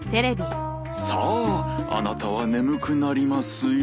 さああなたは眠くなりますよ。